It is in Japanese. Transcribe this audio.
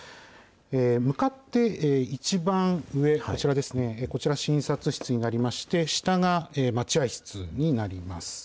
向かって一番上、こちらですね、こちら、診察室になりまして、下が待合室になります。